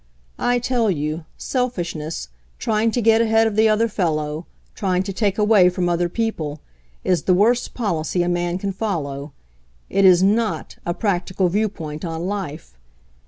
"I tell you, selfishness, trying to get, ahead of the other fellow, trying to take away from other people, is the worst policy a man can follow. It is not a 'practical* viewpoint on life.